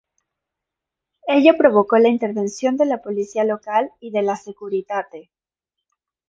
Ello provocó la intervención de la policía local y de la "Securitate".